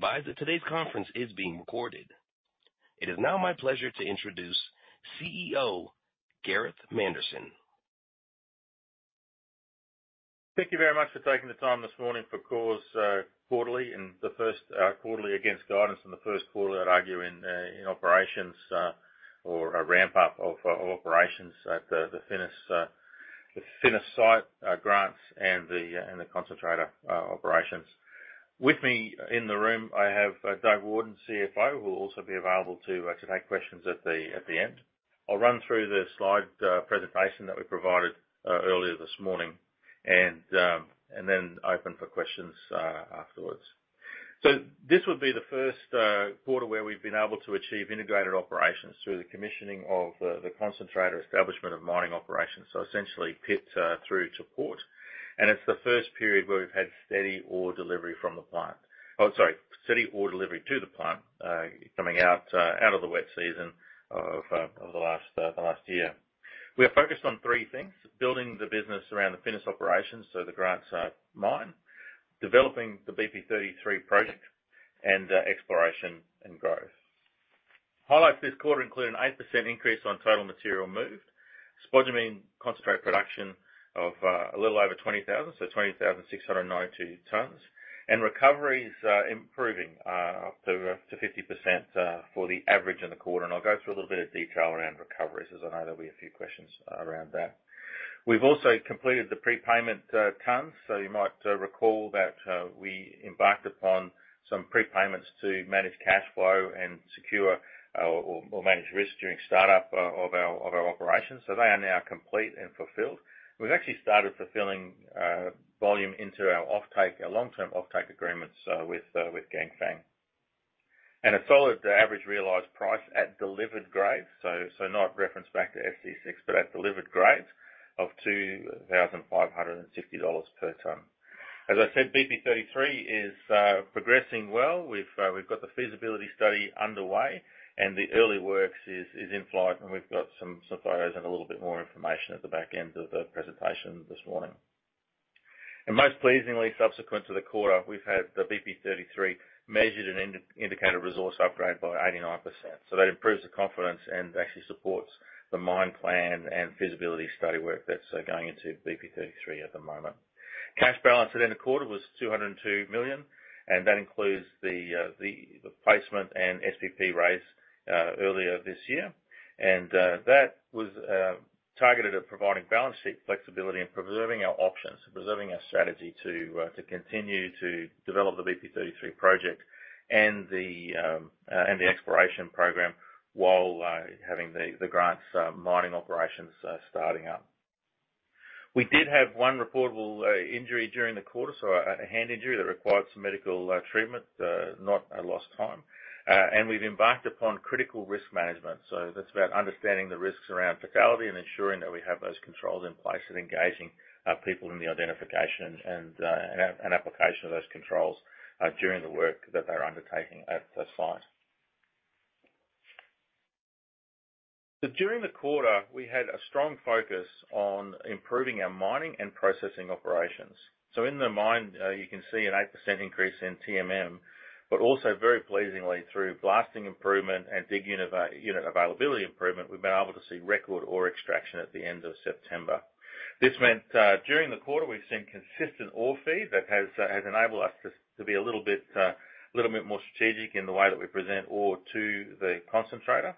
Please be advised that today's conference is being recorded. It is now my pleasure to introduce CEO, Gareth Manderson. Thank you very much for taking the time this morning for Core's quarterly, and the first quarterly against guidance and the first quarter, I'd argue, in operations, or a ramp up of operations at the Finniss site, Grants and the concentrator operations. With me in the room, I have Doug Warden, CFO, who will also be available to take questions at the end. I'll run through the slide presentation that we provided earlier this morning, and then open for questions afterwards. So this would be the first quarter where we've been able to achieve integrated operations through the commissioning of the concentrator establishment of mining operations. So essentially, pit through to port. It's the first period where we've had steady ore delivery from the plant. Oh, sorry, steady ore delivery to the plant, coming out of the wet season of the last year. We are focused on three things: building the business around the Finniss operations, so the Grants mine; developing the BP33 project; and exploration and growth. Highlights this quarter include an 8% increase on total material moved, spodumene concentrate production of a little over 20,000, so 20,692 tons. Recovery is improving up to 50% for the average in the quarter. I'll go through a little bit of detail around recoveries, as I know there'll be a few questions around that. We've also completed the prepayment terms. So you might recall that we embarked upon some prepayments to manage cash flow and secure, or manage risk during startup of our operations. So they are now complete and fulfilled. We've actually started fulfilling volume into our offtake, our long-term offtake agreements with Ganfeng. And a solid average realized price at delivered grades, so not referenced back to SC6, but at delivered grades of 2,550 dollars per ton. As I said, BP33 is progressing well. We've got the feasibility study underway, and the early works is in flight, and we've got some photos and a little bit more information at the back end of the presentation this morning. And most pleasingly, subsequent to the quarter, we've had the BP33 measured and indicated resource upgrade by 89%. So that improves the confidence and actually supports the mine plan and feasibility study work that's going into BP33 at the moment. Cash balance at end of quarter was 202 million, and that includes the placement and SPP raise earlier this year. And that was targeted at providing balance sheet flexibility and preserving our options, preserving our strategy to continue to develop the BP33 project and the exploration program, while having the Grants mining operations starting up. We did have one reportable injury during the quarter, so a hand injury that required some medical treatment, not a lost time. And we've embarked upon critical risk management, so that's about understanding the risks around fatality and ensuring that we have those controls in place, and engaging people in the identification and application of those controls during the work that they're undertaking at the site. So during the quarter, we had a strong focus on improving our mining and processing operations. So in the mine, you can see an 8% increase in TMM, but also very pleasingly through blasting improvement and dig unit availability improvement, we've been able to see record ore extraction at the end of September. This meant, during the quarter, we've seen consistent ore feed that has enabled us to be a little bit more strategic in the way that we present ore to the concentrator.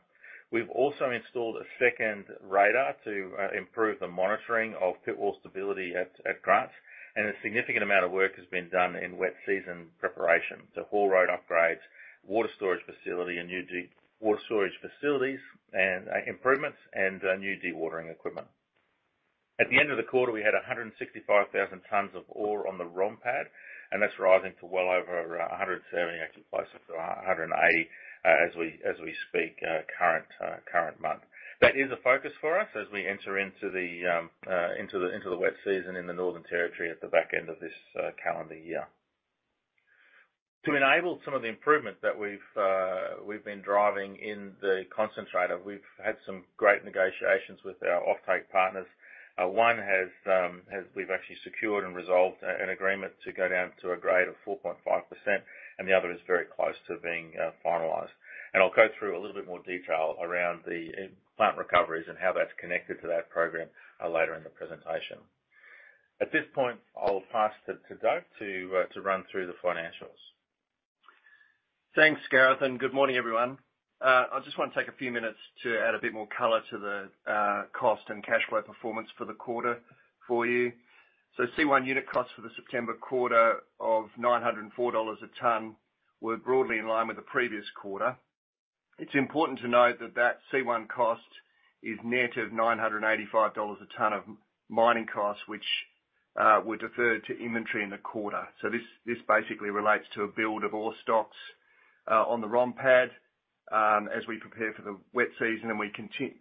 We've also installed a second radar to improve the monitoring of pit wall stability at Grants, and a significant amount of work has been done in wet season preparation. So haul road upgrades, water storage facility, and new de-water storage facilities, and improvements and new dewatering equipment. At the end of the quarter, we had 165,000 tons of ore on the ROM pad, and that's rising to well over 170, actually closer to 180, as we speak, current month. That is a focus for us as we enter into the wet season in the Northern Territory at the back end of this calendar year. To enable some of the improvements that we've we've been driving in the concentrator, we've had some great negotiations with our offtake partners. One has we've actually secured and resolved an an agreement to go down to a grade of 4.5%, and the other is very close to being finalized. And I'll go through a little bit more detail around the plant recoveries and how that's connected to that program later in the presentation. At this point, I'll pass to to Doug, to to run through the financials. Thanks, Gareth, and good morning, everyone. I just want to take a few minutes to add a bit more color to the cost and cash flow performance for the quarter for you. So C1 unit costs for the September quarter of 904 dollars a ton were broadly in line with the previous quarter. It's important to note that that C1 cost is net of 985 dollars a ton of mining costs, which were deferred to inventory in the quarter. So this basically relates to a build of ore stocks on the ROM pad as we prepare for the wet season. And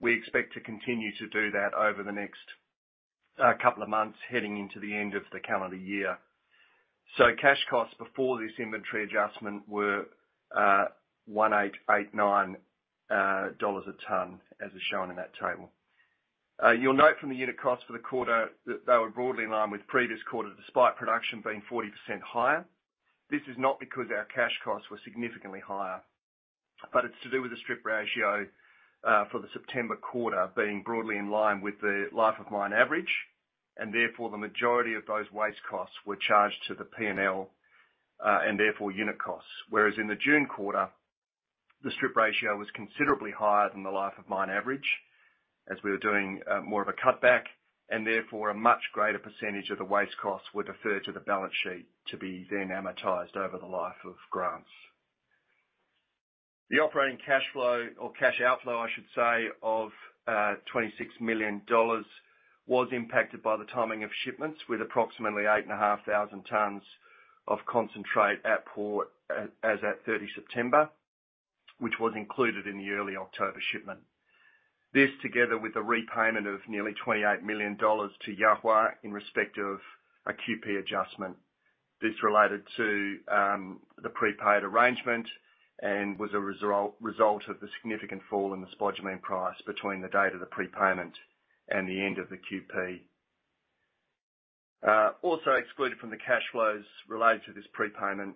we expect to continue to do that over the next couple of months, heading into the end of the calendar year. So cash costs before this inventory adjustment were-... 1,889 dollars a ton, as is shown in that table. You'll note from the unit costs for the quarter, that they were broadly in line with the previous quarter, despite production being 40% higher. This is not because our cash costs were significantly higher, but it's to do with the strip ratio, for the September quarter being broadly in line with the life of mine average, and therefore, the majority of those waste costs were charged to the P&L, and therefore unit costs. Whereas in the June quarter, the strip ratio was considerably higher than the life of mine average, as we were doing, more of a cutback, and therefore, a much greater percentage of the waste costs were deferred to the balance sheet, to be then amortized over the life of Grants. The operating cash flow or cash outflow, I should say, of 26 million dollars was impacted by the timing of shipments, with approximately 8,500 tons of concentrate at port as at 30 September, which was included in the early October shipment. This, together with a repayment of nearly 28 million dollars to Yahua in respect of a QP adjustment. This related to the prepaid arrangement and was a result of the significant fall in the spodumene price between the date of the prepayment and the end of the QP. Also excluded from the cash flows related to this prepayment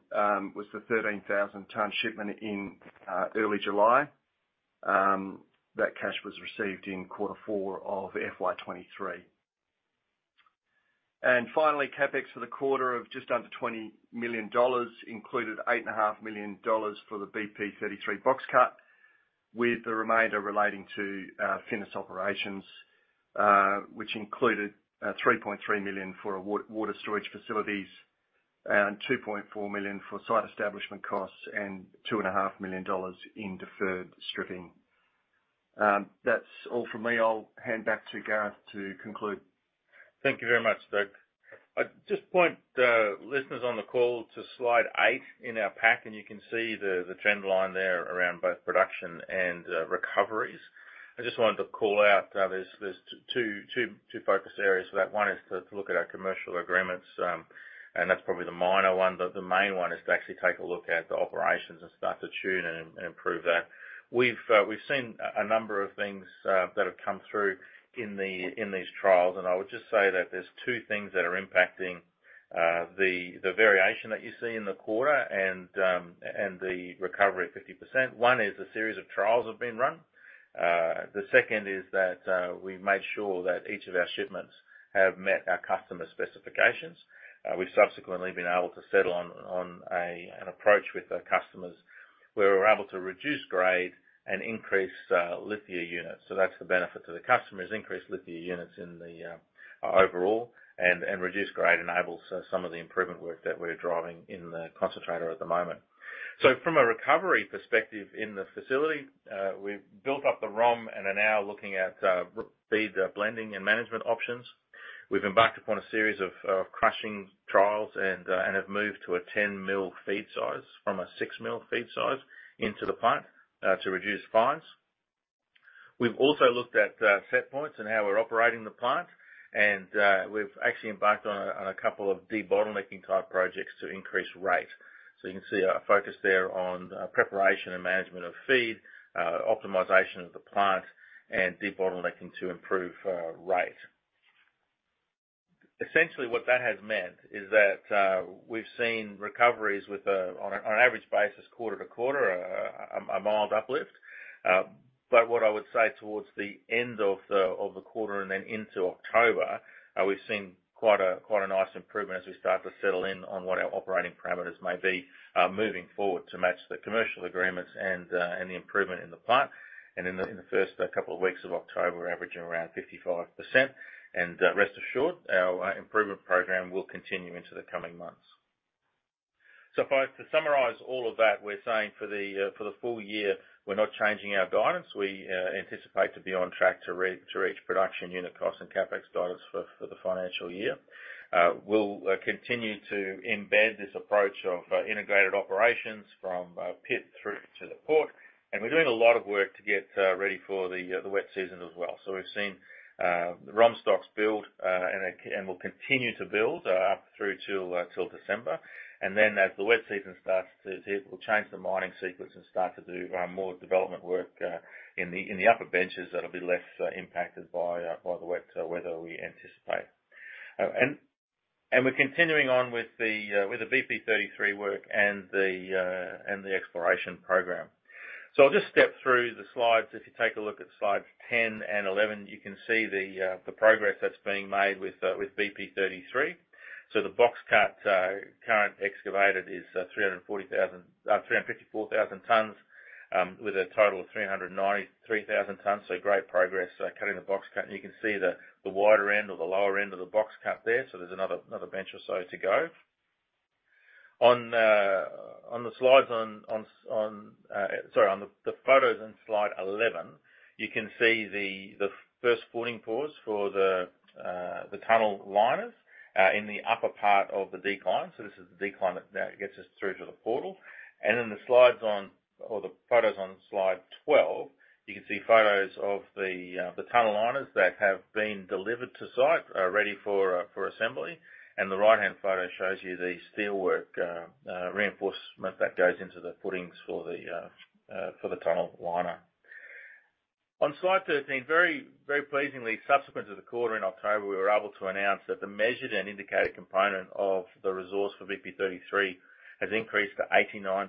was the 13,000-ton shipment in early July. That cash was received in quarter four of FY 2023. And finally, CapEx for the quarter of just under 20 million dollars, included 8.5 million dollars for the BP33 box cut, with the remainder relating to Finniss operations, which included 3.3 million for water storage facilities, and 2.4 million for site establishment costs, and 2.5 million dollars in deferred stripping. That's all from me. I'll hand back to Gareth to conclude. Thank you very much, Doug. I'd just point listeners on the call to slide eight in our pack, and you can see the trend line there around both production and recoveries. I just wanted to call out, there's two focus areas for that. One is to look at our commercial agreements, and that's probably the minor one. But the main one is to actually take a look at the operations and start to tune and improve that. We've seen a number of things that have come through in these trials, and I would just say that there's two things that are impacting the variation that you see in the quarter and the recovery of 50%. One is a series of trials have been run. The second is that, we've made sure that each of our shipments have met our customer specifications. We've subsequently been able to settle on an approach with the customers, where we're able to reduce grade and increase lithium units. So that's the benefit to the customers, increased lithium units in the overall, and reduced grade enables some of the improvement work that we're driving in the concentrator at the moment. So from a recovery perspective in the facility, we've built up the ROM and are now looking at feed blending and management options. We've embarked upon a series of crushing trials and have moved to a 10-mm feed size from a 6-mm feed size into the plant, to reduce fines. We've also looked at set points and how we're operating the plant, and we've actually embarked on a couple of debottlenecking-type projects to increase rate. So you can see our focus there on preparation and management of feed, optimization of the plant, and debottlenecking to improve rate. Essentially, what that has meant is that we've seen recoveries on an average basis, quarter to quarter, a mild uplift. But what I would say towards the end of the quarter and then into October, we've seen quite a nice improvement as we start to settle in on what our operating parameters may be moving forward, to match the commercial agreements and the improvement in the plant. In the first couple of weeks of October, we're averaging around 55%. Rest assured, our improvement program will continue into the coming months. So if I was to summarize all of that, we're saying for the full year, we're not changing our guidance. We anticipate to be on track to reach production unit costs and CapEx guidance for the financial year. We'll continue to embed this approach of integrated operations from pit through to the port, and we're doing a lot of work to get ready for the wet season as well. So we've seen the ROM stocks build, and will continue to build up through to till December. And then as the wet season starts to hit, we'll change the mining sequence and start to do more development work in the upper benches that'll be less impacted by the wet weather we anticipate. We're continuing on with the BP33 work and the exploration program. So I'll just step through the slides. If you take a look at slides 10 and 11, you can see the progress that's being made with BP33. So the box cut current excavated is 340,000, 354,000 tons with a total of 393,000 tons. So great progress cutting the box cut. And you can see the wider end or the lower end of the box cut there. So there's another bench or so to go. Sorry, on the photos in slide 11, you can see the first footing pours for the tunnel liners in the upper part of the decline. So this is the decline that gets us through to the portal. And in the photos on slide 12, you can see photos of the tunnel liners that have been delivered to site, ready for assembly. And the right-hand photo shows you the steelwork reinforcement that goes into the footings for the tunnel liner. On slide 13, very, very pleasingly, subsequent to the quarter in October, we were able to announce that the measured and indicated component of the resource for BP33 has increased to 89%.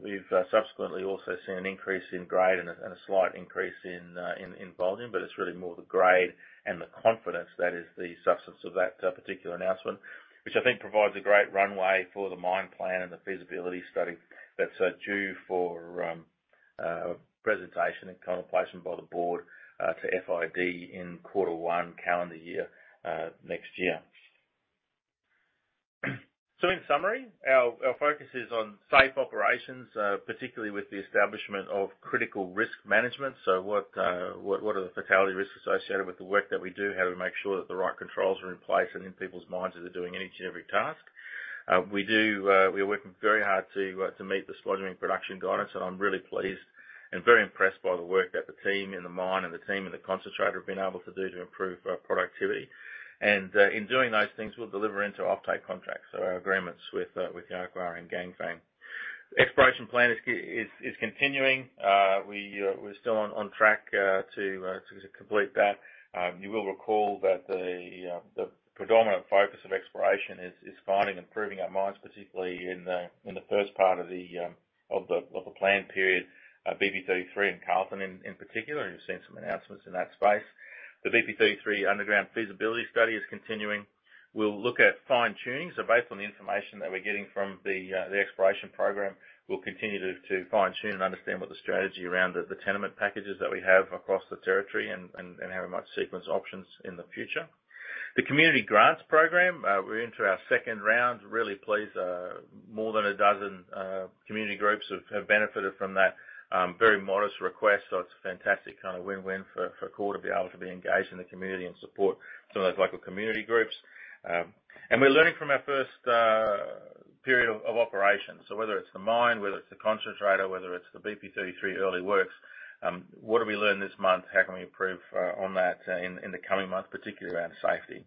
We've subsequently also seen an increase in grade and a slight increase in volume, but it's really more the grade and the confidence that is the substance of that particular announcement. Which I think provides a great runway for the mine plan and the feasibility study that's due for presentation and contemplation by the board to FID in quarter one calendar year next year. So in summary, our focus is on safe operations, particularly with the establishment of critical risk management. So what are the fatality risks associated with the work that we do? How do we make sure that the right controls are in place and in people's minds as they're doing each and every task? We are working very hard to meet the scheduling production guidance, and I'm really pleased and very impressed by the work that the team in the mine and the team in the concentrator have been able to do to improve productivity. In doing those things, we'll deliver into offtake contracts. Our agreements with Yahua and Ganfeng. Exploration plan is continuing. We're still on track to complete that. You will recall that the predominant focus of exploration is finding and improving our mines, particularly in the first part of the planned period, BP33 and Carlton in particular, and you've seen some announcements in that space. The BP33 underground feasibility study is continuing. We'll look at fine-tuning. So based on the information that we're getting from the exploration program, we'll continue to fine-tune and understand what the strategy around the tenement packages that we have across the territory and how we might sequence options in the future. The community grants program, we're into our second round. Really pleased, more than a dozen community groups have benefited from that, very modest request. So it's a fantastic kind of win-win for Core to be able to be engaged in the community and support some of those local community groups. And we're learning from our first period of operations. So whether it's the mine, whether it's the concentrator, whether it's the BP33 early works, what have we learned this month? How can we improve on that in the coming months, particularly around safety?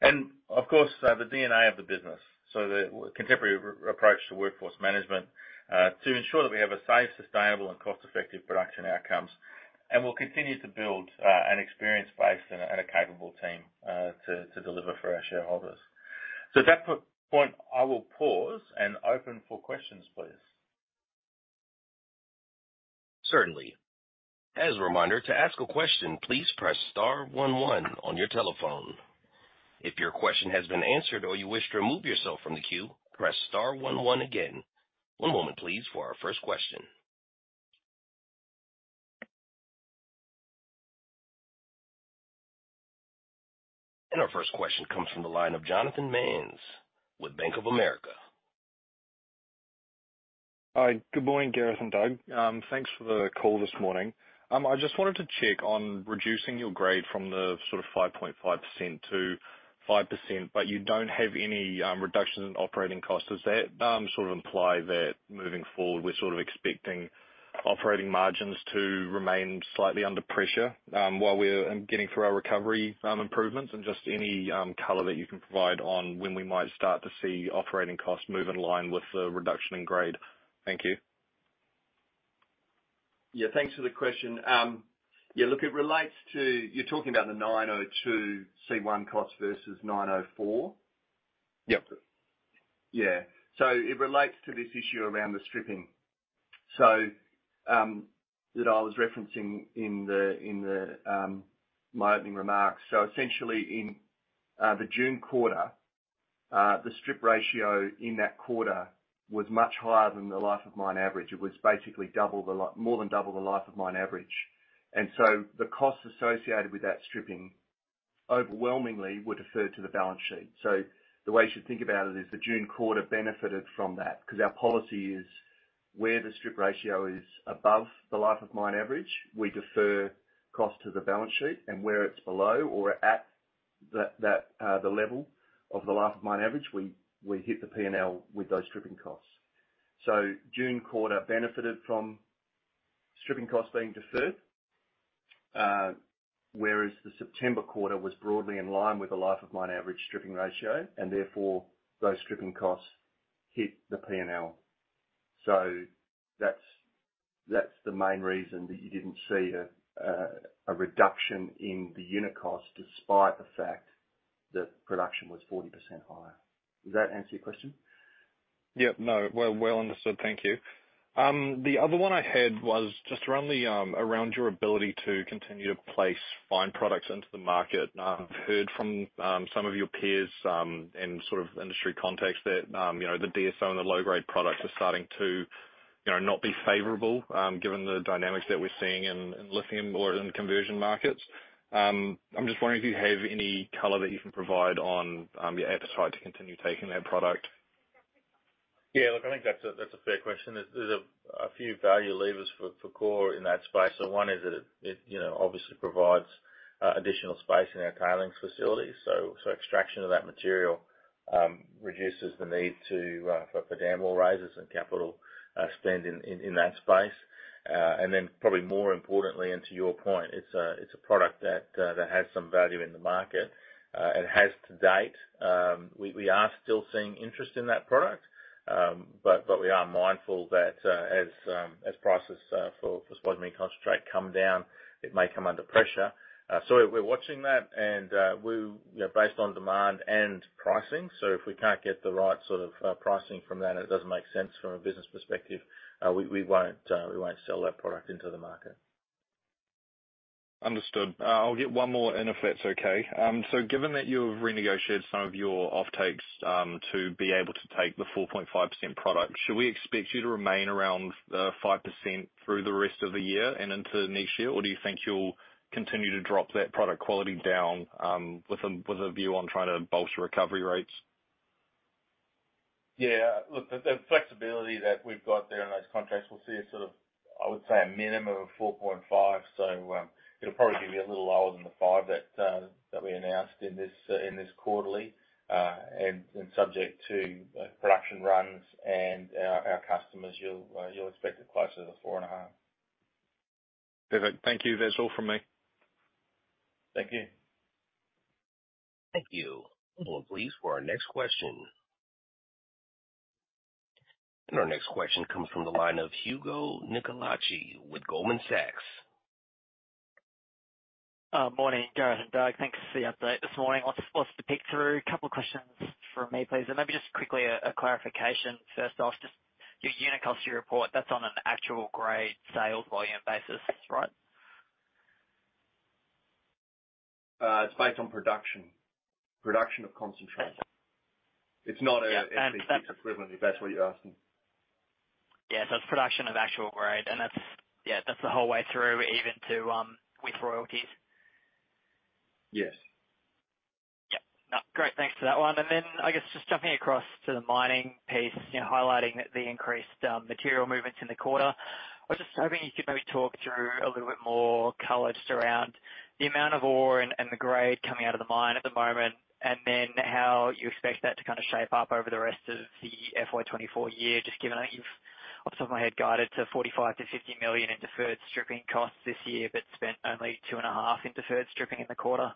And, of course, the DNA of the business. So the contemporary approach to workforce management to ensure that we have a safe, sustainable, and cost-effective production outcomes. And we'll continue to build an experienced base and a capable team to deliver for our shareholders. So at that point, I will pause and open for questions, please. Certainly. As a reminder, to ask a question, please press star one one on your telephone. If your question has been answered or you wish to remove yourself from the queue, press star one one again. One moment, please, for our first question. Our first question comes from the line of Jonathan Mannes with Bank of America. Hi. Good morning, Gareth and Doug. Thanks for the call this morning. I just wanted to check on reducing your grade from the sort of 5.5%-5%, but you don't have any reduction in operating costs. Does that sort of imply that moving forward, we're sort of expecting operating margins to remain slightly under pressure while we're getting through our recovery improvements? Just any color that you can provide on when we might start to see operating costs move in line with the reduction in grade. Thank you. Yeah, thanks for the question. Yeah, look, it relates to... You're talking about the 902 C1 cost versus 904? Yep. Yeah. So it relates to this issue around the stripping. So, that I was referencing in my opening remarks. So essentially in the June quarter, the strip ratio in that quarter was much higher than the life of mine average. It was basically more than double the life of mine average. And so the costs associated with that stripping overwhelmingly were deferred to the balance sheet. So the way you should think about it is the June quarter benefited from that, because our policy is, where the strip ratio is above the life of mine average, we defer cost to the balance sheet. And where it's below or at that level of the life of mine average, we hit the P&L with those stripping costs. So June quarter benefited from stripping costs being deferred, whereas the September quarter was broadly in line with the life of mine average stripping ratio, and therefore, those stripping costs hit the P&L. So that's the main reason that you didn't see a reduction in the unit cost, despite the fact that production was 40% higher. Does that answer your question? Yeah, no. Well, well understood. Thank you. The other one I had was just around your ability to continue to place fines into the market. I've heard from some of your peers in sort of industry context that, you know, the DSO and the low-grade products are starting to, you know, not be favorable given the dynamics that we're seeing in lithium or in conversion markets. I'm just wondering if you have any color that you can provide on your appetite to continue taking that product? Yeah, look, I think that's a fair question. There's a few value levers for Core in that space. So one is that it you know obviously provides additional space in our tailings facilities. So extraction of that material reduces the need for dam wall raises and capital spend in that space. And then probably more importantly, and to your point, it's a product that has some value in the market and has to date. We are still seeing interest in that product. But we are mindful that as prices for spodumene concentrate come down, it may come under pressure. So we're watching that, and we you know based on demand and pricing. So if we can't get the right sort of pricing from that, and it doesn't make sense from a business perspective, we won't sell that product into the market. Understood. I'll get one more in, if that's okay. So given that you've renegotiated some of your offtakes, to be able to take the 4.5% product, should we expect you to remain around the 5% through the rest of the year and into next year? Or do you think you'll continue to drop that product quality down, with a view on trying to bolster recovery rates? Yeah, look, the flexibility that we've got there in those contracts, we'll see a sort of, I would say, a minimum of 4.5. So, it'll probably be a little lower than the 5 that we announced in this quarterly. And subject to production runs and our customers, you'll expect it closer to 4.5. Perfect. Thank you. That's all from me. Thank you. Thank you. Well, please, for our next question. Our next question comes from the line of Hugo Nicolaci with Goldman Sachs. Morning, Gareth and Doug. Thanks for the update this morning. I'll just want to pick through a couple of questions from me, please, and maybe just quickly a clarification. First off, just your unit cost report, that's on an actual grade sales volume basis, right? It's based on production, production of concentrate. It's not a- Yeah, and Equivalent, if that's what you're asking. Yeah, so it's production of actual grade, and that's... Yeah, that's the whole way through, even to, with royalties. Yes. Yep. No, great, thanks for that one. And then I guess just jumping across to the mining piece, you know, highlighting the increased material movements in the quarter. I was just hoping you could maybe talk through a little bit more color just around the amount of ore and the grade coming out of the mine at the moment, and then how you expect that to kind of shape up over the rest of the FY 2024 year. Just given that you've, off the top of my head, guided to 45 million-50 million in deferred stripping costs this year, but spent only 2.5 million in deferred stripping in the quarter.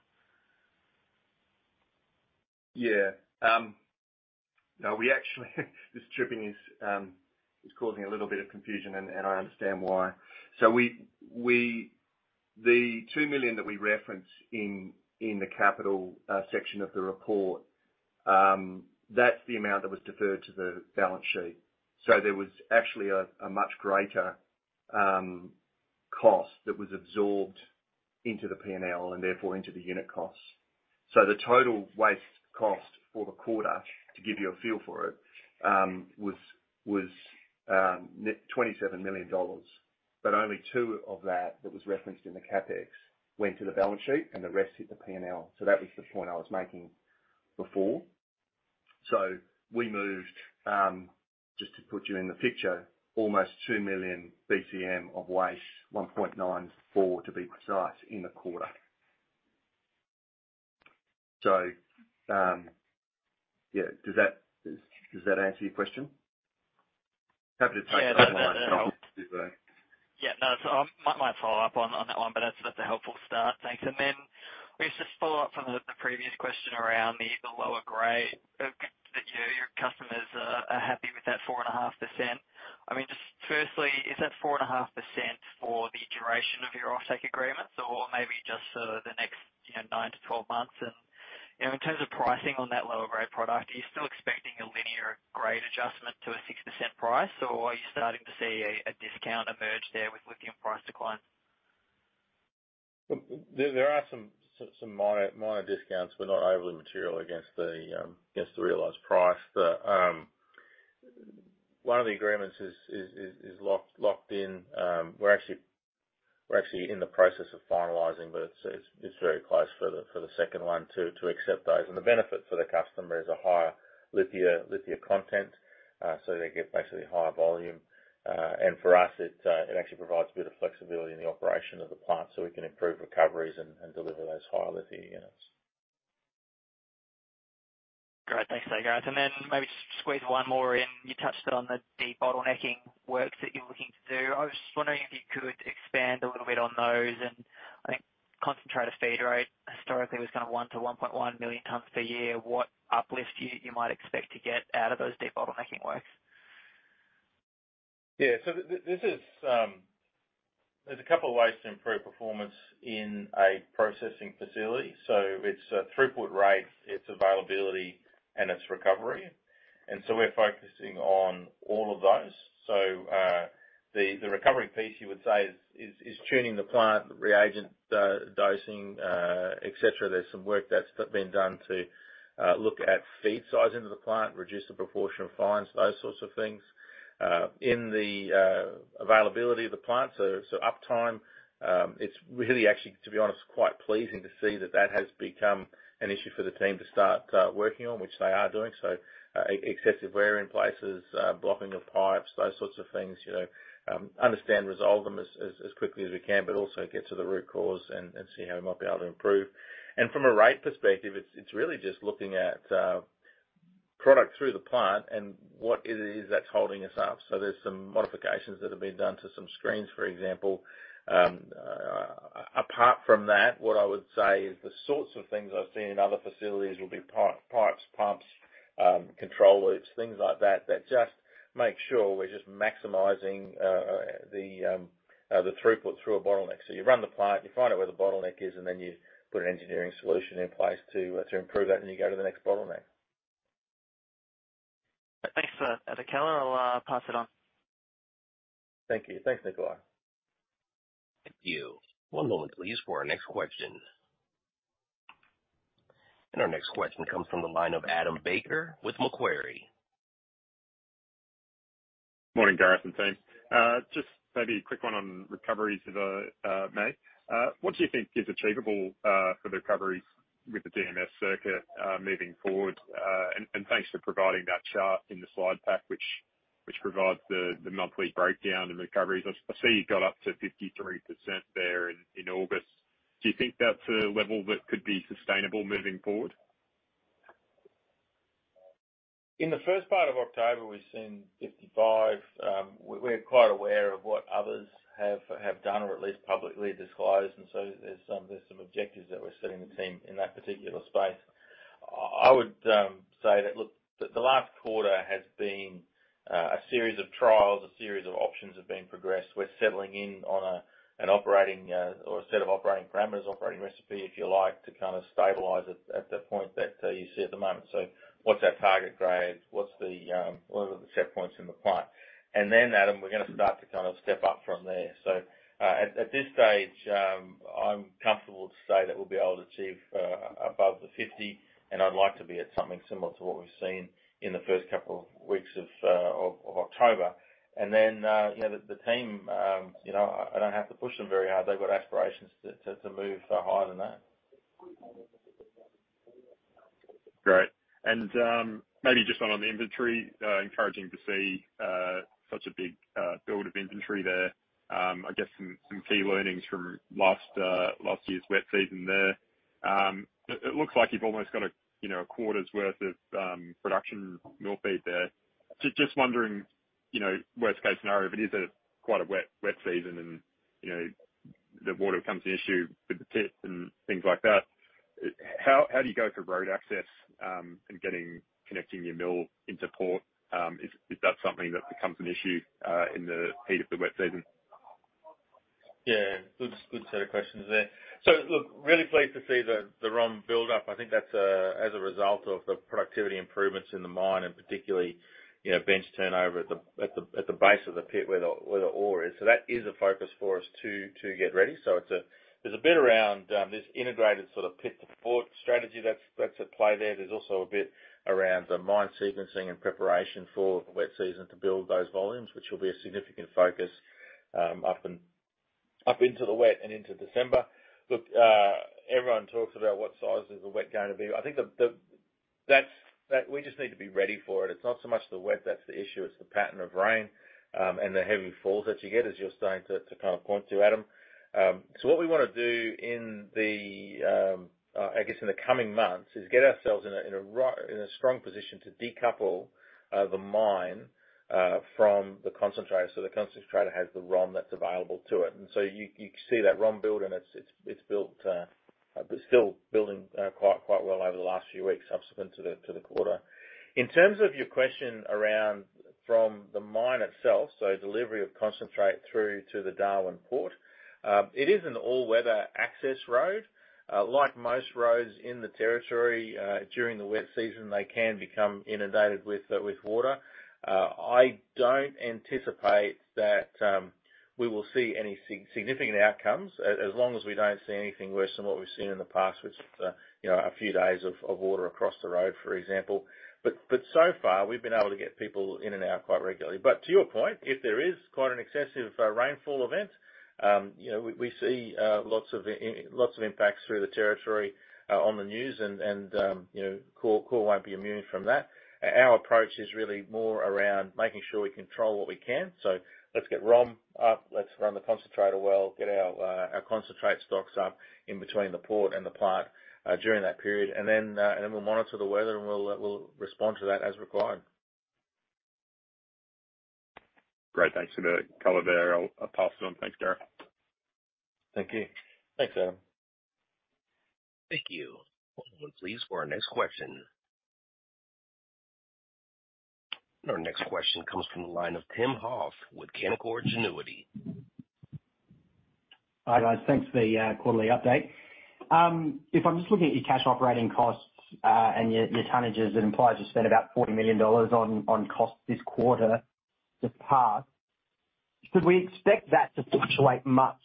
Yeah. No, we actually, this stripping is causing a little bit of confusion, and I understand why. So we the 2 million that we referenced in the capital section of the report, that's the amount that was deferred to the balance sheet. So there was actually a much greater cost that was absorbed into the P&L, and therefore into the unit costs. So the total waste cost for the quarter, to give you a feel for it, was net 27 million dollars, but only two of that was referenced in the CapEx, went to the balance sheet, and the rest hit the P&L. So that was the point I was making before. We moved, just to put you in the picture, almost 2 million BCM of waste, 1.94, to be precise, in the quarter. Yeah, does that, does that answer your question? Happy to take- Yeah, that, If, uh- Yeah, no, so I might follow up on, on that one, but that's, that's a helpful start. Thanks. And then just to follow up from the, the previous question around the, the lower grade that your, your customers are, are happy with that 4.5%. I mean, just firstly, is that 4.5% for the duration of your offtake agreements or maybe just for the next, you know, 9-12 months? And, you know, in terms of pricing on that lower grade product, are you still expecting a linear grade adjustment to a 6% price, or are you starting to see a, a discount emerge there with lithium price decline? There are some minor discounts, but not overly material against the realized price. But one of the agreements is locked in. We're actually in the process of finalizing, but it's very close for the second one to accept those. And the benefit for the customer is a higher lithium content, so they get basically higher volume. And for us, it actually provides a bit of flexibility in the operation of the plant, so we can improve recoveries and deliver those higher lithium units. Great. Thanks for that, Gareth. Then maybe just squeeze one more in. You touched on the bottlenecking works that you're looking to do. I was just wondering if you could expand a little bit on those, and I think concentrator feed rate historically was kind of 1-1.1 million tons per year. What uplift you might expect to get out of those debottlenecking works? Yeah. So this is, there's a couple of ways to improve performance in a processing facility. So it's throughput rate, it's availability, and it's recovery. And so we're focusing on all of those. So the recovery piece you would say is tuning the plant, the reagent dosing, et cetera. There's some work that's been done to look at feed sizing of the plant, reduce the proportion of fines, those sorts of things. In the availability of the plant, so uptime, it's really actually, to be honest, quite pleasing to see that that has become an issue for the team to start working on, which they are doing. So, excessive wear in places, blocking of pipes, those sorts of things, you know, understand, resolve them as quickly as we can, but also get to the root cause and see how we might be able to improve. And from a rate perspective, it's really just looking at product through the plant and what it is that's holding us up. So there's some modifications that have been done to some screens, for example. Apart from that, what I would say is the sorts of things I've seen in other facilities will be pipes, pumps, control loops, things like that, that just make sure we're just maximizing the throughput through a bottleneck. So you run the plant, you find out where the bottleneck is, and then you put an engineering solution in place to, to improve that, and you go to the next bottleneck. Thanks for the color. I'll pass it on. Thank you. Thanks, Nicola. Thank you. One moment, please, for our next question. Our next question comes from the line of Adam Baker with Macquarie. Morning, Gareth and team. Just maybe a quick one on recoveries of May. What do you think is achievable for the recoveries with the DMS circuit moving forward? And thanks for providing that chart in the slide pack, which provides the monthly breakdown and recoveries. I see you got up to 53% there in August. Do you think that's a level that could be sustainable moving forward? In the first part of October, we've seen 55. We're quite aware of what others have done or at least publicly disclosed, and so there's some objectives that we're setting the team in that particular space. I would say that, look, the last quarter has been a series of trials, a series of options have been progressed. We're settling in on an operating or a set of operating parameters, operating recipe, if you like, to kind of stabilize it at the point that you see at the moment. So what's our target grades? What's the, what are the set points in the plant? And then, Adam, we're gonna start to kind of step up from there. So, at this stage, I'm comfortable to say that we'll be able to achieve above the 50, and I'd like to be at something similar to what we've seen in the first couple of weeks of October. And then, you know, the team, you know, I don't have to push them very hard. They've got aspirations to move higher than that. Great. And, maybe just on the inventory, encouraging to see such a big build of inventory there. I guess some key learnings from last year's wet season there. It looks like you've almost got a, you know, a quarter's worth of production mill feed there. So just wondering, you know, worst case scenario, if it is quite a wet season and, you know, the water becomes an issue with the pit and things like that, how do you go for road access and getting connecting your mill into port? Is that something that becomes an issue in the heat of the wet season? Yeah, good, good set of questions there. So look, really pleased to see the ROM build-up. I think that's as a result of the productivity improvements in the mine and particularly, you know, bench turnover at the base of the pit where the ore is. So that is a focus for us to get ready. So it's there's a bit around this integrated sort of pit-to-port strategy that's at play there. There's also a bit around the mine sequencing and preparation for the wet season to build those volumes, which will be a significant focus up and up into the wet and into December. Look, everyone talks about what size is the wet going to be? I think that we just need to be ready for it. It's not so much the wet that's the issue, it's the pattern of rain, and the heavy falls that you get, as you're starting to kind of point to, Adam. So what we wanna do, I guess, in the coming months, is get ourselves in a strong position to decouple the mine from the concentrator, so the concentrator has the ROM that's available to it. And so you see that ROM build, and it's built, but still building quite well over the last few weeks, subsequent to the quarter. In terms of your question around from the mine itself, so delivery of concentrate through to the Darwin Port, it is an all-weather access road. Like most roads in the territory, during the wet season, they can become inundated with water. I don't anticipate that we will see any significant outcomes as long as we don't see anything worse than what we've seen in the past, which, you know, a few days of water across the road, for example. But so far, we've been able to get people in and out quite regularly. But to your point, if there is quite an excessive rainfall event, you know, we see lots of impacts through the territory, on the news, and, you know, Core won't be immune from that. Our approach is really more around making sure we control what we can. So let's get ROM up, let's run the concentrator well, get our, our concentrate stocks up in between the port and the plant, during that period. And then, and then we'll monitor the weather, and we'll, we'll respond to that as required. Great. Thanks for the color there. I'll pass it on. Thanks, Gareth. Thank you. Thanks, Adam. Thank you. One moment please, for our next question. Our next question comes from the line of Tim Hoff with Canaccord Genuity. Hi, guys. Thanks for the quarterly update. If I'm just looking at your cash operating costs and your, your tonnages, it implies you spent about 40 million dollars on, on costs this quarter, this past. Should we expect that to fluctuate much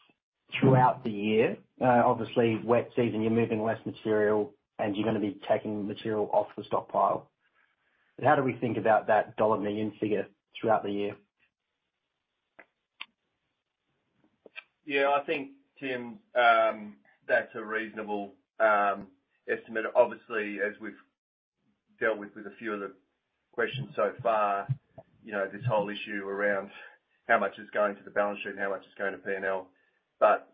throughout the year? Obviously, wet season, you're moving less material, and you're gonna be taking material off the stockpile. But how do we think about that dollar million figure throughout the year? Yeah, I think, Tim, that's a reasonable estimate. Obviously, as we've dealt with a few of the questions so far, you know, this whole issue around how much is going to the balance sheet and how much is going to P&L. But,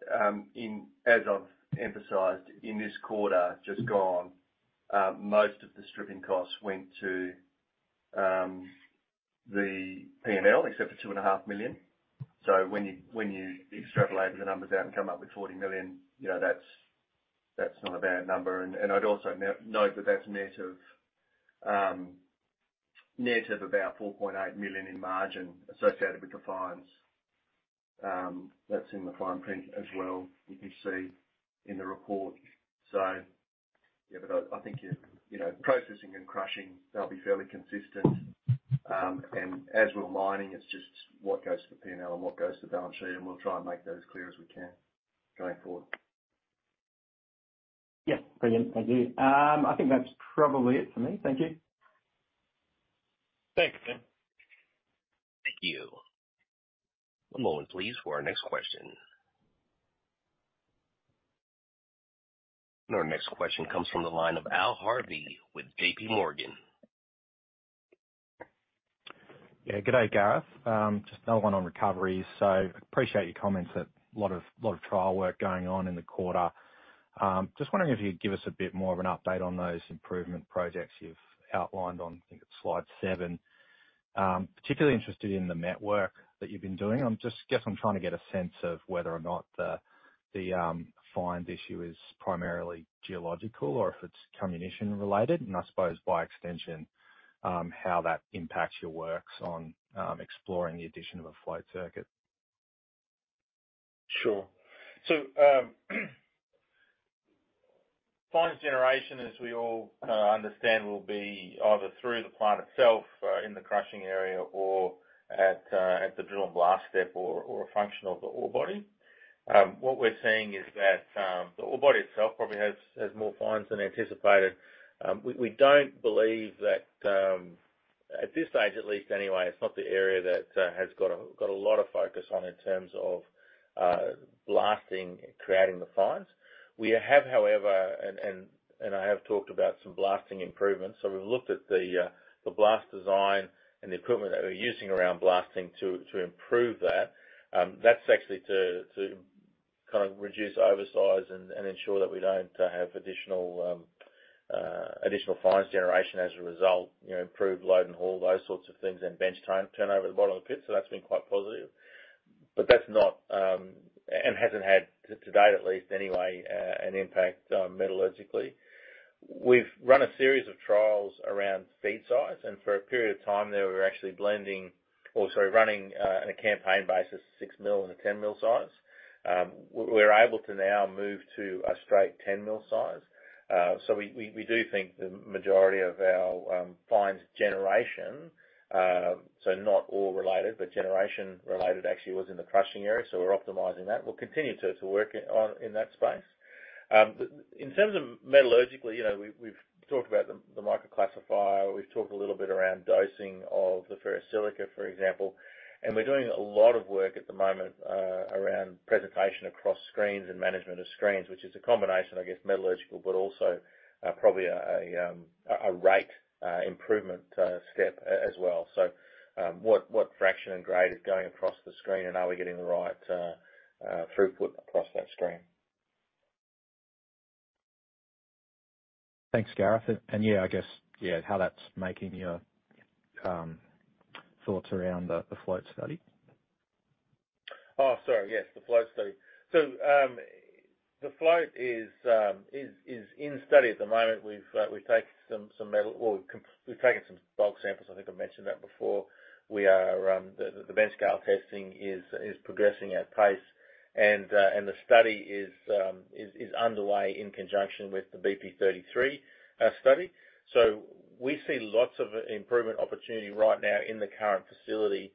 in, as I've emphasized, in this quarter just gone, most of the stripping costs went to the P&L, except for 2.5 million. So when you extrapolate the numbers out and come up with 40 million, you know, that's not a bad number. And I'd also note that that's net of about 4.8 million in margin associated with the fines. That's in the fine print as well, if you see in the report. So yeah, but I think, you know, processing and crushing, they'll be fairly consistent. And as with mining, it's just what goes to the P&L and what goes to the balance sheet, and we'll try and make those clear as we can going forward. Yeah, brilliant. Thank you. I think that's probably it for me. Thank you. Thanks, Tim. Thank you. One moment, please, for our next question. Our next question comes from the line of Al Harvey with JPMorgan. Yeah, good day, Gareth. Just another one on recovery. So appreciate your comments that a lot of, a lot of trial work going on in the quarter. Just wondering if you'd give us a bit more of an update on those improvement projects you've outlined on, I think it's slide seven. Particularly interested in the network that you've been doing. I guess I'm trying to get a sense of whether or not the fines issue is primarily geological or if it's comminution related. And I suppose by extension, how that impacts your works on exploring the addition of a float circuit. Sure. So, fines generation, as we all understand, will be either through the plant itself, in the crushing area or at the drill and blast step, or a function of the ore body. What we're seeing is that the ore body itself probably has more fines than anticipated. We don't believe that, at this stage, at least anyway, it's not the area that has got a lot of focus on in terms of blasting, creating the fines. We have, however, and I have talked about some blasting improvements. So we've looked at the blast design and the equipment that we're using around blasting to improve that. That's actually to kind of reduce oversize and ensure that we don't have additional, additional fines generation as a result. You know, improve load and haul, those sorts of things, and bench turnover at the bottom of the pit. So that's been quite positive. But that's not, and hasn't had, to date, at least anyway, an impact, metallurgically. We've run a series of trials around feed size, and for a period of time there, we were actually blending, or sorry, running, on a campaign basis, 6 mil and a 10 mil size. We're able to now move to a straight 10 mil size. So we do think the majority of our fines generation, so not ore related, but generation related, actually was in the crushing area. So we're optimizing that. We'll continue to work on in that space. In terms of metallurgically, you know, we've talked about the micro classifier. We've talked a little bit around dosing of the ferrosilicon, for example. And we're doing a lot of work at the moment around presentation across screens and management of screens, which is a combination, I guess, metallurgical, but also probably a rate improvement step as well. So, what fraction and grade is going across the screen, and are we getting the right throughput across that screen? Thanks, Gareth. And yeah, I guess, yeah, how that's making your thoughts around the float study. Oh, sorry, yes, the float study. So, the float is in study at the moment. We've taken some bulk samples. I think I mentioned that before. We are, the bench scale testing is progressing at pace, and the study is underway in conjunction with the BP33 study. So we see lots of improvement opportunity right now in the current facility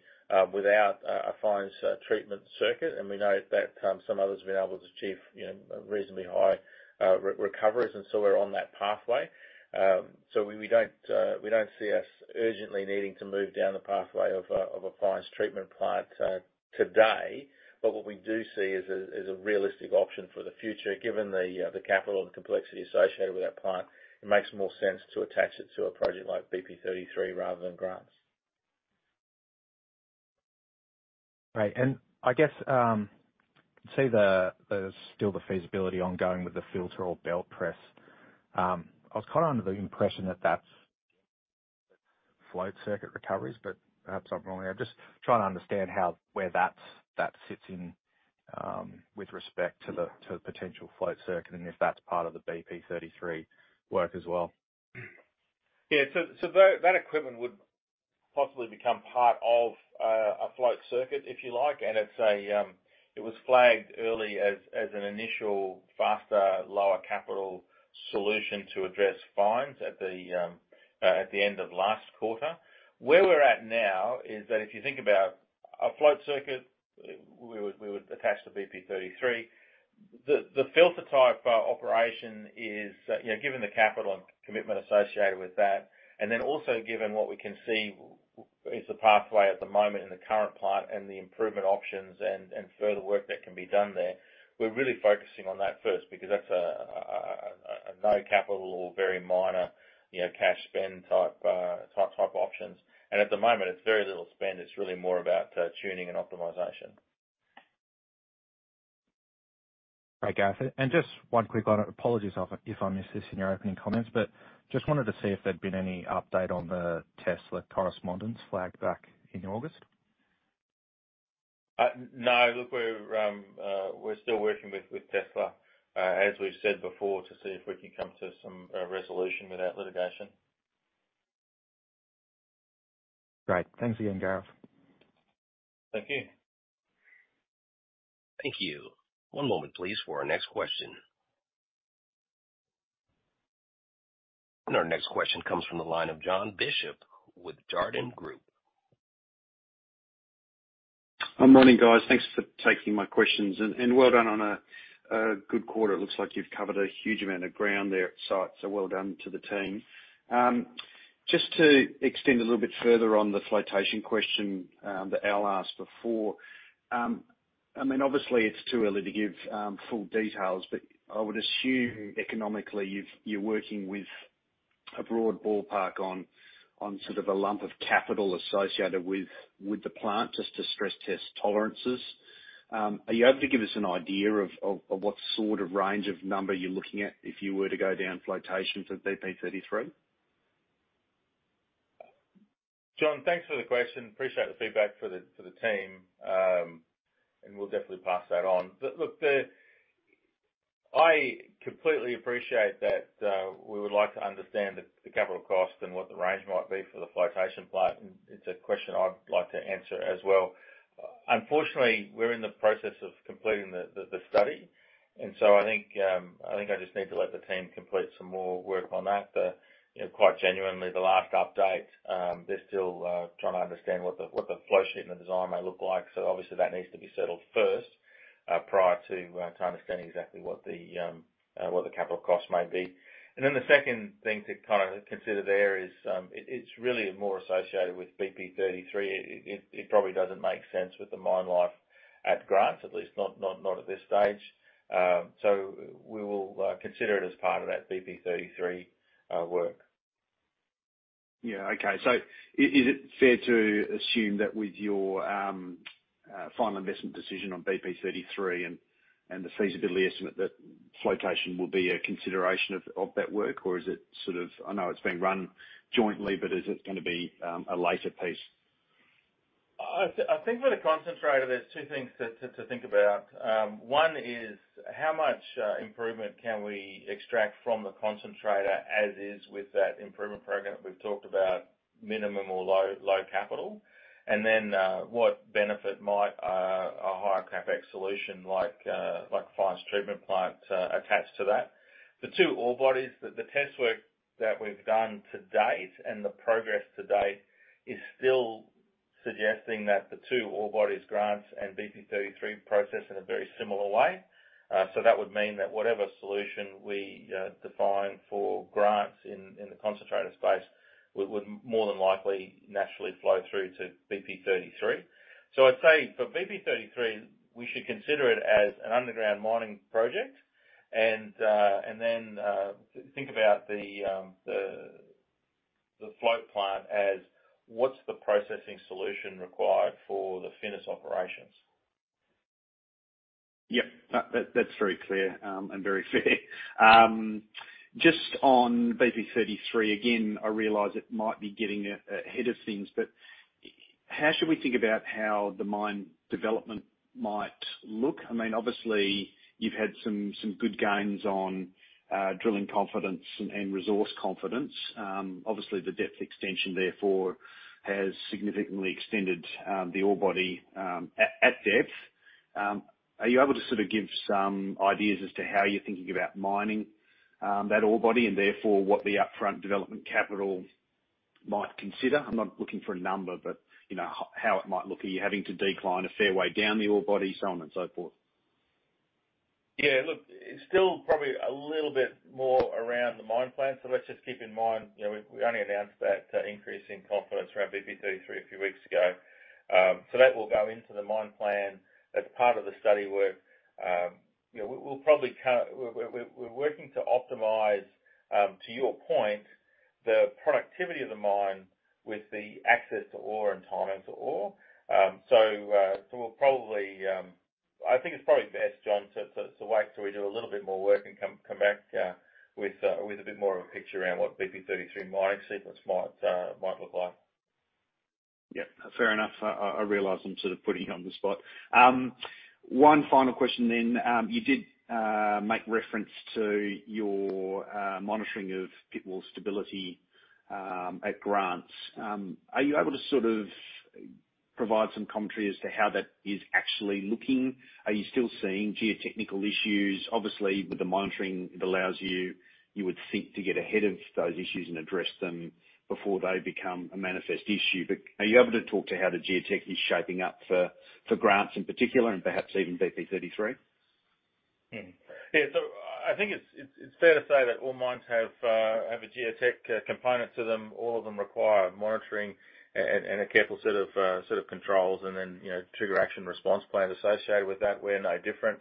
without a fines treatment circuit. And we know that some others have been able to achieve, you know, reasonably high recoveries, and so we're on that pathway. So we don't see us urgently needing to move down the pathway of a fines treatment plant today. But what we do see is a realistic option for the future. Given the capital and complexity associated with that plant, it makes more sense to attach it to a project like BP33 rather than Grants. Right. I guess I see the, still the feasibility ongoing with the filter or belt press. I was kind of under the impression that that's float circuit recoveries, but perhaps I'm wrong. I'm just trying to understand how, where that fits in, with respect to the potential float circuit, and if that's part of the BP33 work as well. Yeah. So that equipment would possibly become part of a float circuit, if you like. And it's a. It was flagged early as an initial, faster, lower capital solution to address fines at the end of last quarter. Where we're at now is that if you think about a float circuit, we would attach the BP33. The filter type operation is, you know, given the capital and commitment associated with that, and then also given what we can see is the pathway at the moment in the current plant and the improvement options and further work that can be done there, we're really focusing on that first because that's a no capital or very minor, you know, cash spend type options. At the moment, it's very little spend. It's really more about, tuning and optimization. Great, Gareth. Just one quick on it. Apologies if I, if I missed this in your opening comments, but just wanted to see if there'd been any update on the Tesla correspondence flagged back in August? No. Look, we're still working with Tesla, as we've said before, to see if we can come to some resolution without litigation. Great. Thanks again, Gareth. Thank you. Thank you. One moment, please, for our next question. Our next question comes from the line of Jon Bishop with Jarden Group. Good morning, guys. Thanks for taking my questions, and well done on a good quarter. It looks like you've covered a huge amount of ground there at site, so well done to the team. Just to extend a little bit further on the flotation question that Al asked before. I mean, obviously, it's too early to give full details, but I would assume economically, you're working with a broad ballpark on sort of a lump of capital associated with the plant, just to stress test tolerances. Are you able to give us an idea of what sort of range of number you're looking at if you were to go down flotation for BP-33? Jon, thanks for the question. Appreciate the feedback for the team, and we'll definitely pass that on. But look, I completely appreciate that, we would like to understand the capital cost and what the range might be for the flotation plant, and it's a question I'd like to answer as well. Unfortunately, we're in the process of completing the study, and so I think I just need to let the team complete some more work on that. But, you know, quite genuinely, the last update, they're still trying to understand what the flow sheet and the design may look like. So obviously that needs to be settled first, prior to understanding exactly what the capital cost may be. And then the second thing to kind of consider there is, it's really more associated with BP33. It probably doesn't make sense with the mine life at Grants, at least not at this stage. So we will consider it as part of that BP33 work. Yeah. Okay. So is it fair to assume that with your final investment decision on BP33 and the feasibility estimate, that flotation will be a consideration of that work? Or is it sort of... I know it's being run jointly, but is it gonna be a later piece? I think with a concentrator, there's two things to think about. One is, how much improvement can we extract from the concentrator as is with that improvement program that we've talked about, minimum or low capital? And then, what benefit might a higher CapEx solution like a fines treatment plant attached to that? The two ore bodies, the test work that we've done to date and the progress to date, is still suggesting that the two ore bodies, Grants and BP33, process in a very similar way. So that would mean that whatever solution we define for Grants in the concentrator space, would more than likely naturally flow through to BP33. So I'd say for BP33, we should consider it as an underground mining project, and then think about the float plant as what's the processing solution required for the Finniss operations? Yep. That's very clear and very fair. Just on BP33, again, I realize it might be getting ahead of things, but how should we think about how the mine development might look? I mean, obviously, you've had some good gains on drilling confidence and resource confidence. Obviously, the depth extension, therefore, has significantly extended the ore body at depth. Are you able to sort of give some ideas as to how you're thinking about mining that ore body and therefore what the upfront development capital might consider? I'm not looking for a number, but you know, how it might look. Are you having to decline a fair way down the ore body, so on and so forth? Yeah, look, it's still probably a little bit more around the mine plan. So let's just keep in mind, you know, we only announced that increase in confidence around BP33 a few weeks ago. So that will go into the mine plan as part of the study work. You know, we're working to optimize, to your point, the productivity of the mine with the access to ore and tonnage of the ore. So we'll probably. I think it's probably best, John, to wait till we do a little bit more work and come back with a bit more of a picture around what BP33 mining sequence might look like. Yeah, fair enough. I realize I'm sort of putting you on the spot. One final question then. You did make reference to your monitoring of pit wall stability at Grants. Are you able to sort of provide some commentary as to how that is actually looking? Are you still seeing geotechnical issues? Obviously, with the monitoring, it allows you, you would think, to get ahead of those issues and address them before they become a manifest issue. But are you able to talk to how the geotech is shaping up for Grants in particular, and perhaps even BP33? Hmm. Yeah, so I think it's fair to say that all mines have a geotech component to them. All of them require monitoring and a careful set of controls, and then, you know, trigger action response plans associated with that. We're no different.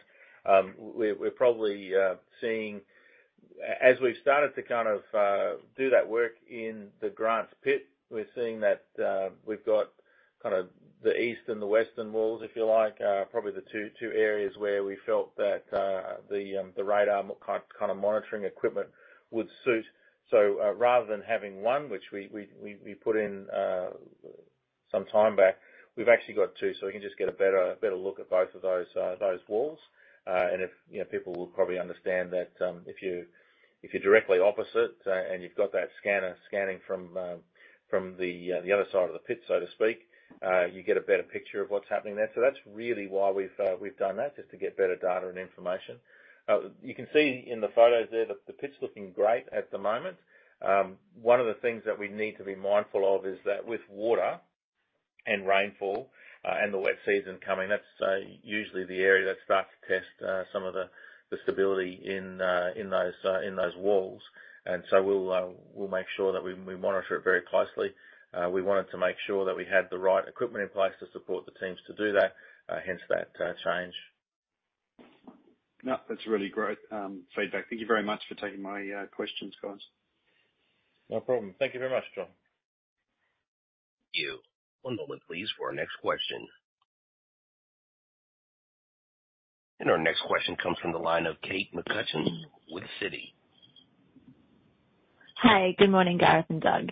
We're probably seeing. As we've started to kind of do that work in the Grants Pit, we're seeing that we've got kind of the east and the western walls, if you like, are probably the two areas where we felt that the radar kind of monitoring equipment would suit. So, rather than having one, which we put in some time back, we've actually got two, so we can just get a better look at both of those walls. If, you know, people will probably understand that, if you're directly opposite, and you've got that scanner scanning from the other side of the pit, so to speak, you get a better picture of what's happening there. So that's really why we've done that, just to get better data and information. You can see in the photos there that the pit's looking great at the moment. One of the things that we need to be mindful of is that with water and rainfall, and the wet season coming, that's usually the area that starts to test some of the stability in those walls. So we'll make sure that we monitor it very closely. We wanted to make sure that we had the right equipment in place to support the teams to do that, hence that change. No, that's really great feedback. Thank you very much for taking my questions, guys. No problem. Thank you very much, Jon. Thank you. One moment, please, for our next question. Our next question comes from the line of Kate McCutcheon with Citi. Hi. Good morning, Gareth and Doug.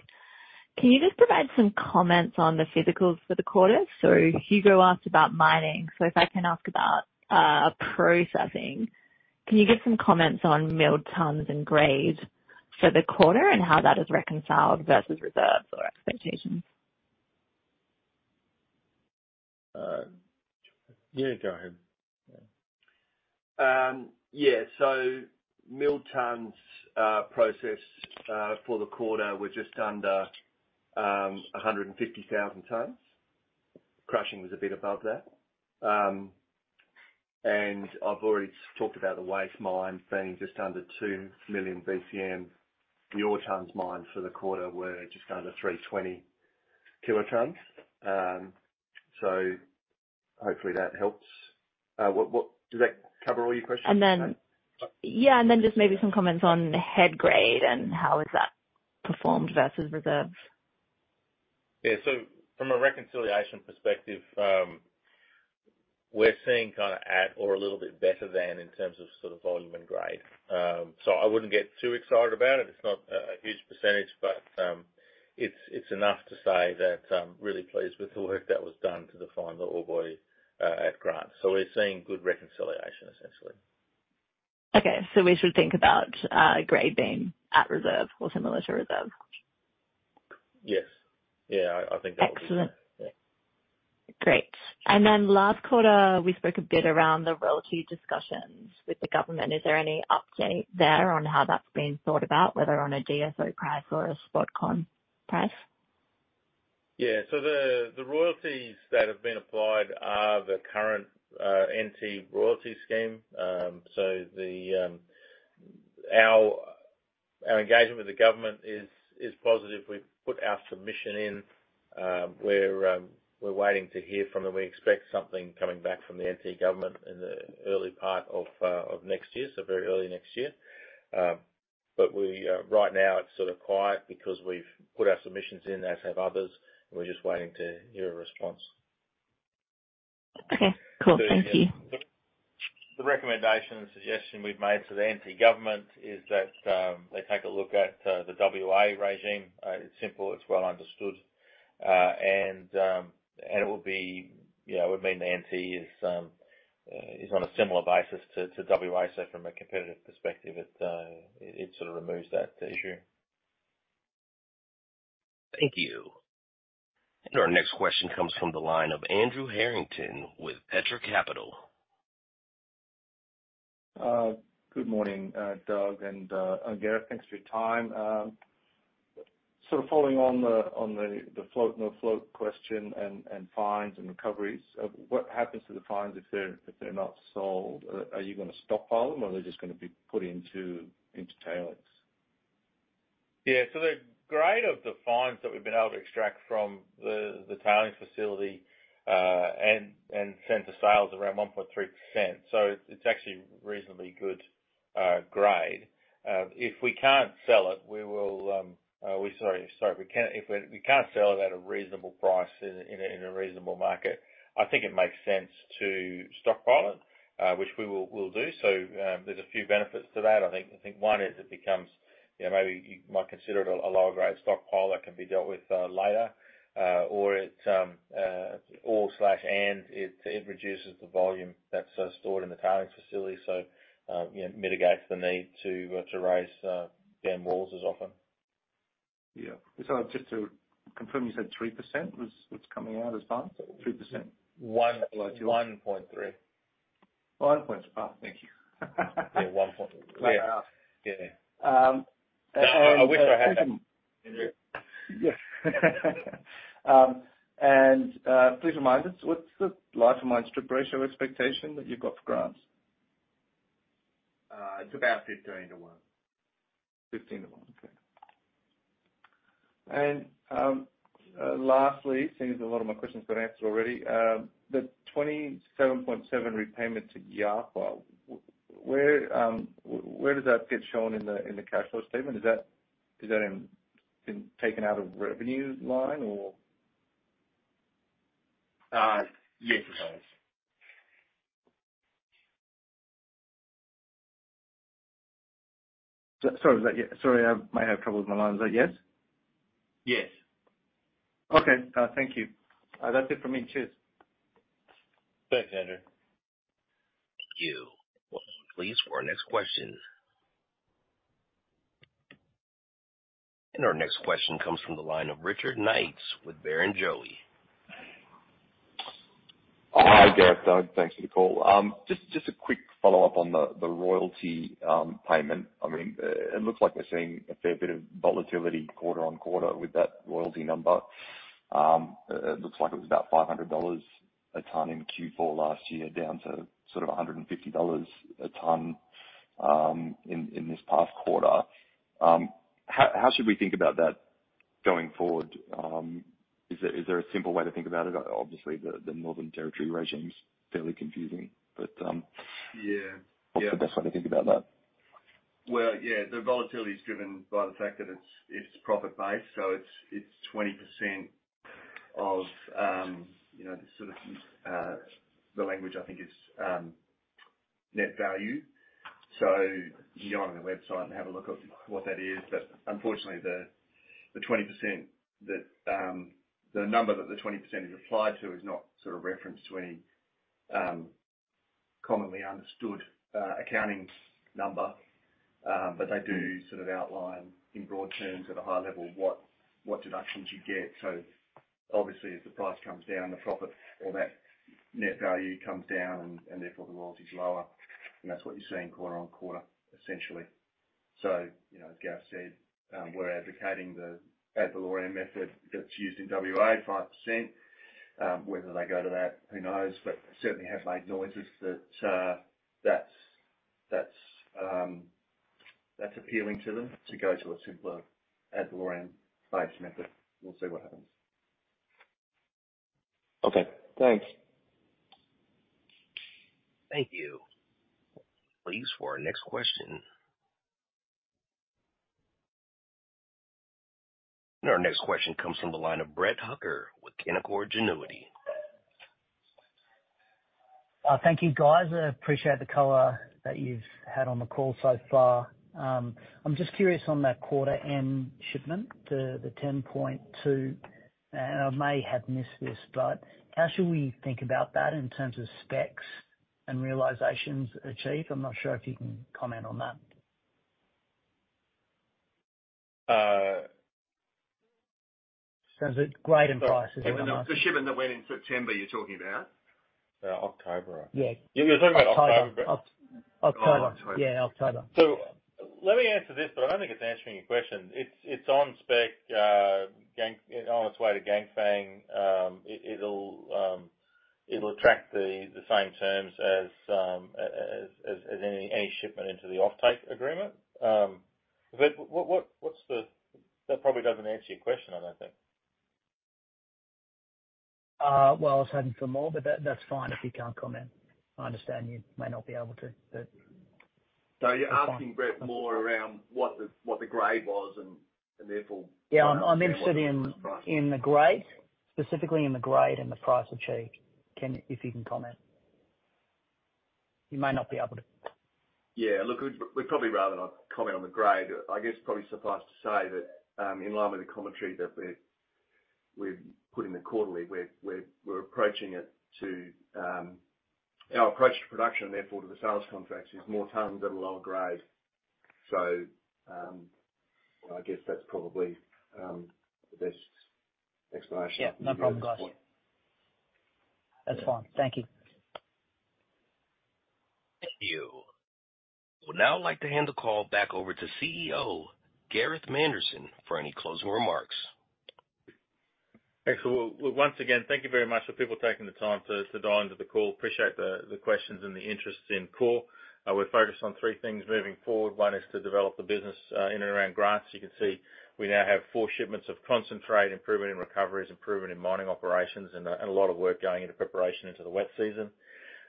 Can you just provide some comments on the physicals for the quarter? So Hugo asked about mining, so if I can ask about processing. Can you give some comments on milled tons and grades for the quarter, and how that is reconciled versus reserves or expectations? Yeah, go ahead. Yeah. Yeah, so milled tons processed for the quarter were just under 150,000 tons. Crushing was a bit above that. And I've already talked about the waste mine being just under two million BCM. The ore tons mined for the quarter were just under 320 kilotons. So hopefully that helps. What... Does that cover all your questions? Then... yeah, then just maybe some comments on the head grade and how has that performed versus reserves? Yeah. So from a reconciliation perspective, we're seeing kind of at or a little bit better than in terms of sort of volume and grade. So I wouldn't get too excited about it. It's not a huge percentage, but it's enough to say that I'm really pleased with the work that was done to define the ore body at Grants. So we're seeing good reconciliation, essentially. Okay, so we should think about, grade being at reserve or similar to reserve? Yes. Yeah, I think that would be- Excellent. Yeah. Great. And then last quarter, we spoke a bit around the royalty discussions with the government. Is there any update there on how that's being thought about, whether on a SC6 price or a spot con price? Yeah. So the royalties that have been applied are the current NT royalty scheme. So our engagement with the government is positive. We've put our submission in. We're waiting to hear from them. We expect something coming back from the NT government in the early part of next year, so very early next year. But right now it's sort of quiet because we've put our submissions in, as have others, and we're just waiting to hear a response. Okay, cool. Thank you. The recommendation and suggestion we've made to the NT government is that they take a look at the WA regime. It's simple, it's well understood. And it will be, you know, it would mean the NT is on a similar basis to WA. So from a competitive perspective, it sort of removes that issue. Thank you. And our next question comes from the line of Andrew Harrington with Petra Capital. Good morning, Doug and Gareth. Thanks for your time. Sort of following on the float, no float question, and fines and recoveries. What happens to the fines if they're not sold? Are you gonna stockpile them or are they just gonna be put into tailings? Yeah. So the grade of the fines that we've been able to extract from the tailings facility and send to sale is around 1.3%, so it's actually reasonably good grade. If we can't sell it at a reasonable price in a reasonable market, I think it makes sense to stockpile it, which we will do. So, there's a few benefits to that. I think one is it becomes, you know, maybe you might consider it a lower-grade stockpile that can be dealt with later. Or it reduces the volume that's stored in the tailings facility. You know, mitigates the need to raise dam walls as often. Yeah. So just to confirm, you said 3% was what's coming out as fines? 3%. 1%, 1.3%. One point, thank you. Yeah, 1 point. Clear. Yeah. Um, and- I wish I had them.... and, please remind us, what's the life of mine strip ratio expectation that you've got for Grants? It's about 15 to one. 15 to 1. Okay. And lastly, seeing as a lot of my questions got answered already, the 27.7 repayment to Yahua, where does that get shown in the cash flow statement? Is that taken out of the revenue line or? Yes, it is. Sorry, was that yeah? Sorry, I might have trouble with my line. Is that yes? Yes. Okay, thank you. That's it for me. Cheers. Thanks, Andrew. Thank you. Well, please, for our next question. Our next question comes from the line of Richard Knights with Barrenjoey. Hi, Gareth. Thanks for the call. Just a quick follow-up on the royalty payment. I mean, it looks like we're seeing a fair bit of volatility QoQ with that royalty number. It looks like it was about 500 dollars a ton in Q4 last year, down to sort of 150 dollars a ton in this past quarter. How should we think about that going forward? Is there a simple way to think about it? Obviously, the Northern Territory regime is fairly confusing, but Yeah. What's the best way to think about that? Well, yeah, the volatility is driven by the fact that it's profit-based, so it's 20% of, you know, sort of, the language, I think, is net value. So you can go on the website and have a look at what that is. But unfortunately, the 20% that the number that the 20% is applied to is not sort of referenced to any commonly understood accounting number. But they do sort of outline, in broad terms, at a high level, what deductions you get. So obviously, as the price comes down, the profit or that net value comes down and therefore, the royalty is lower. And that's what you're seeing quarter on quarter, essentially. So, you know, as Gareth said, we're advocating the ad valorem method that's used in WA, 5%. Whether they go to that, who knows? But certainly have made noises that that's appealing to them to go to a simpler ad valorem-based method. We'll see what happens. Okay. Thanks. Thank you. Please, for our next question. Our next question comes from the line of Brett Hucker with Canaccord Genuity. Thank you, guys. I appreciate the color that you've had on the call so far. I'm just curious on that quarter end shipment, the 10.2, and I may have missed this, but how should we think about that in terms of specs and realizations achieved? I'm not sure if you can comment on that. Uh- So is it grade and price, is it? The shipment that went in September, you're talking about? October, I think. Yes. You're talking about October? October. October. Yeah, October. So let me answer this, but I don't think it's answering your question. It's on spec, on its way to Ganfeng. It'll attract the same terms as any shipment into the offtake agreement. But what's the... That probably doesn't answer your question, I don't think. Well, I was hoping for more, but that, that's fine if you can't comment. I understand you may not be able to, but- So you're asking, Brett, more around what the grade was and therefore- Yeah, I'm, I'm interested in, in the grade, specifically in the grade and the price achieved. Can... If you can comment. You may not be able to. Yeah, look, we'd probably rather not comment on the grade. I guess, probably suffice to say that, in line with the commentary that we're putting the quarterly, we're approaching it to our approach to production and therefore, to the sales contracts, is more tons at a lower grade. So, I guess that's probably the best explanation. Yeah, no problem, guys. That's fine. Thank you. Thank you. I would now like to hand the call back over to CEO, Gareth Manderson, for any closing remarks. Excellent. Once again, thank you very much for people taking the time to, to dial into the call. Appreciate the, the questions and the interest in Core. We're focused on three things moving forward. One is to develop the business, in and around Grants. You can see we now have four shipments of concentrate, improvement in recoveries, improvement in mining operations, and a, and a lot of work going into preparation into the wet season.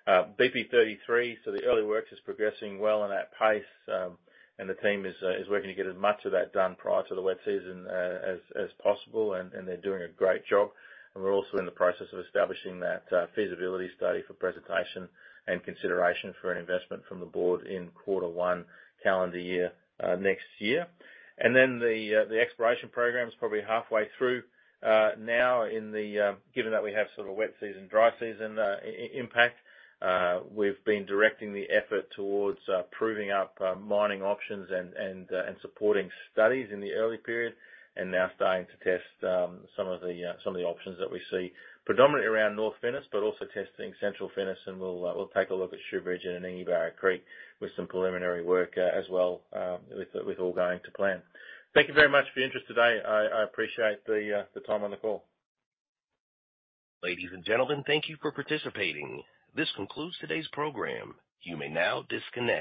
BP33, so the early works is progressing well and at pace, and the team is, is working to get as much of that done prior to the wet season, as, as possible, and, and they're doing a great job. And we're also in the process of establishing that, feasibility study for presentation and consideration for an investment from the board in quarter one calendar year, next year. And then the exploration program is probably halfway through. Now, given that we have sort of a wet season, dry season impact, we've been directing the effort towards proving up mining options and supporting studies in the early period. And now starting to test some of the options that we see, predominantly around North Finniss, but also testing Central Finniss. And we'll take a look at Shoobridge and Anningie and Barrow Creek with some preliminary work, as well, with all going to plan. Thank you very much for your interest today. I appreciate the time on the call. Ladies and gentlemen, thank you for participating. This concludes today's program. You may now disconnect.